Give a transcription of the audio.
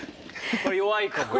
これ弱いかも。よ